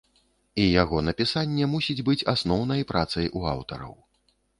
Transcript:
І яго напісанне мусіць быць асноўнай працай у аўтараў.